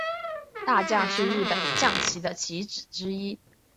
大将是日本将棋的棋子之一。